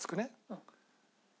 うん。